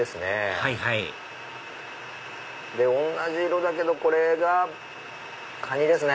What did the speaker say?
はいはいで同じ色だけどこれがカニですね。